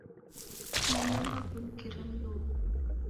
Nalomba kunikire Mulungu